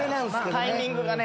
タイミングがね。